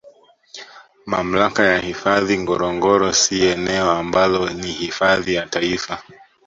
Mamlaka ya hifadhi Ngorongoro si eneo ambalo ni hifadhi ya Taifa